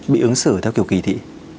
bị ứng xử theo kiểu kỳ thị